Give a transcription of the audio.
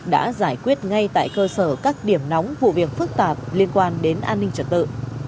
đã giải quyết ngay tại cơ sở các điểm nóng vụ việc phức tạp liên quan đến an ninh trật tự